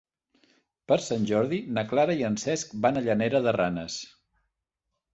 Per Sant Jordi na Clara i en Cesc van a Llanera de Ranes.